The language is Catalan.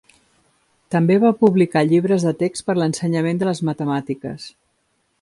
També va publicar llibres de text per l'ensenyament de les matemàtiques.